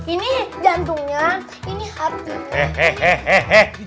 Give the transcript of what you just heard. ini jantungnya ini